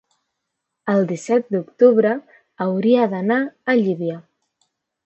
el disset d'octubre hauria d'anar a Llívia.